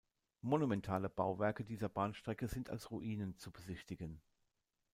Monumentale Bauwerke dieser Bahnstrecke sind als Ruinen zu besichtigen.